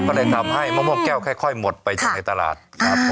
ก็เลยทำให้มะม่วงแก้วค่อยหมดไปจากในตลาดครับ